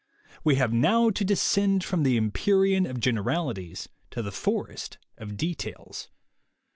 We have now to descend from the empyrean of gen eralities to the forest of details.